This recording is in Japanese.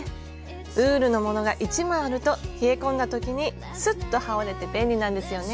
ウールのものが１枚あると冷え込んだ時にスッと羽織れて便利なんですよね。